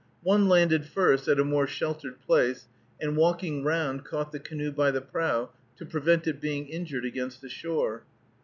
One landed first at a more sheltered place, and walking round caught the canoe by the prow, to prevent it being injured against the shore.